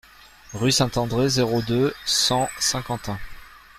Rue Saint-André, zéro deux, cent Saint-Quentin